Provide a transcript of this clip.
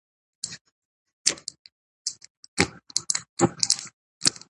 شاه محمود د کرمان قلعه د نیولو امر وکړ.